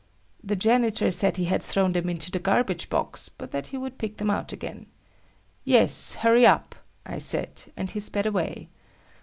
The janitor said he had thrown them into the garbage box, but that he would pick them out again. "Yes, hurry up," I said, and he sped away.